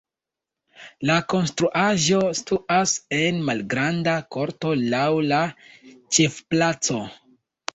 La konstruaĵo situas en malgranda korto laŭ la ĉefplaco.